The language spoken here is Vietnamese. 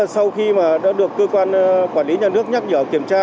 sau khi được cơ quan quản lý nhà nước nhắc dở kiểm tra